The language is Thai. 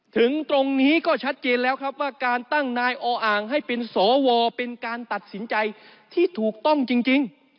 ถึงตรงนี้ก็ชัดเจนแล้วครับว่าการตั้งนายออ่างให้เป็นสวเป็นการตัดสินใจที่ถูกต้องจริง